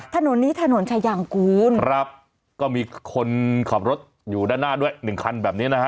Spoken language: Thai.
ถนนนี้ถนนชายางกูลครับก็มีคนขับรถอยู่ด้านหน้าด้วยหนึ่งคันแบบนี้นะฮะ